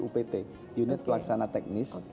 upt unit pelaksana teknis